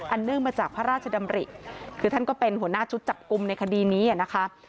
เนื่องมาจากพระราชดำริคือท่านก็เป็นหัวหน้าชุดจับกลุ่มในคดีนี้นะคะ